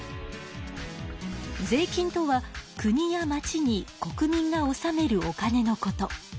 税金とは国や町に国民がおさめるお金のこと。